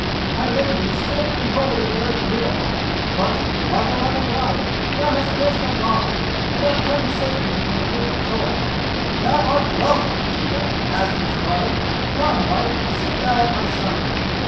I laid thee stiff and cold in the earth at Middalhof, but, like a loving wife, thou hast burst thy bonds, and art come to save me from the grip of trolls. Thou art welcome, Gudruda, Asmund's daughter! Come, wife, sit thou at my side."